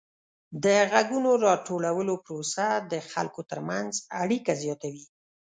د غږونو راټولولو پروسه د خلکو ترمنځ اړیکه زیاتوي.